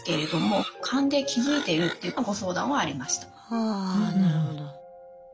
はなるほど。